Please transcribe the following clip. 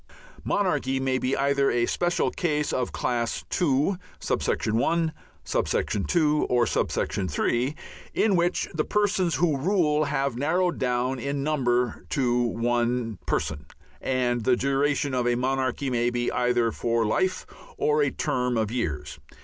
Monarchy may be either a special case of Class II.(1), (2) or (3), in which the persons who rule have narrowed down in number to one person, and the duration of monarchy may be either for life or a term of years.